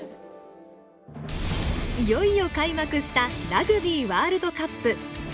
いよいよ開幕したラグビーワールドカップ。